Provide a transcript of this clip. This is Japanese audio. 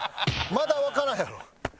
まだわからんやろ？